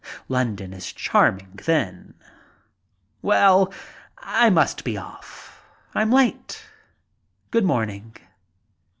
London is charming then. Well, I must be off. I'm late. Good morning."